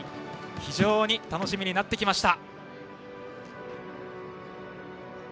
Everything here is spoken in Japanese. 非常に楽しみになってきました。